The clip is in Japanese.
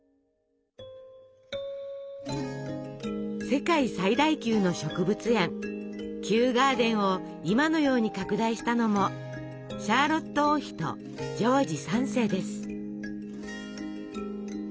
世界最大級の植物園「キューガーデン」を今のように拡大したのもシャーロット王妃とジョージ３世です。